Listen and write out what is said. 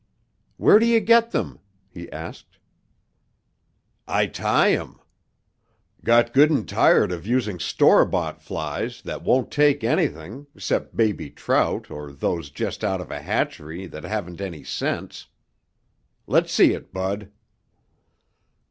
"Where do you get them?" he asked. "I tie 'em. Got good and tired of using store bought flies that won't take anything 'cept baby trout or those just out of a hatchery that haven't any sense. Let's see it, Bud."